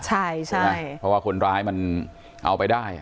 ใช่ใช่ไหมเพราะว่าคนร้ายมันเอาไปได้